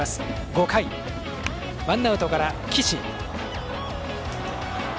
５回、ワンアウトから岸。